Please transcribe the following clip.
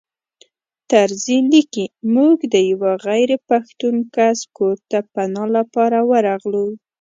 طرزي لیکي موږ د یوه غیر پښتون کس کور ته پناه لپاره ورغلو.